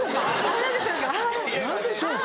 「何でしょうか？」。